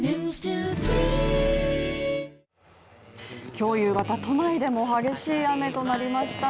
今日夕方、都内でも激しい雨となりましたね。